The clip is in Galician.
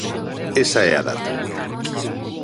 Esa é a data.